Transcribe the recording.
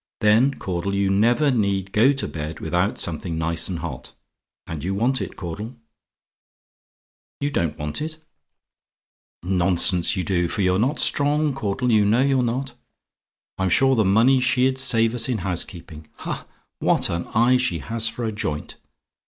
Then, Caudle, you never need go to bed without something nice and hot. And you want it, Caudle. "YOU DON'T WANT IT? "Nonsense, you do; for you're not strong, Caudle; you know you're not. "I'm sure, the money she'd save us in housekeeping. Ha! what an eye she has for a joint!